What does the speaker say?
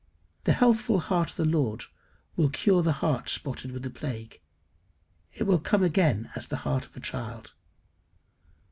The healthful heart of the Lord will cure the heart spotted with the plague: it will come again as the heart of a child.